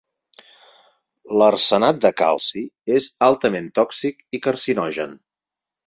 L'arsenat de calci és altament tòxic i carcinogen.